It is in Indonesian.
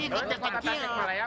belum memadai lah